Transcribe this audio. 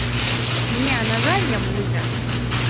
Не, на жаль, не будзе.